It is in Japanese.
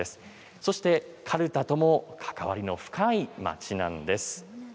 そしてカルタとも関わりの深い町なんです。